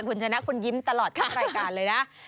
คุณชนะคุณยิ้มตลอดทั้งรายการเลยนะ